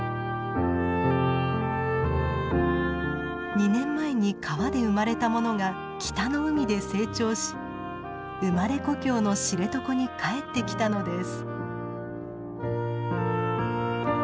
２年前に川で生まれたものが北の海で成長し生まれ故郷の知床に帰ってきたのです。